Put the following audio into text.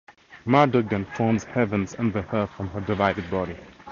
Marduk then forms heavens and the earth from her divided body.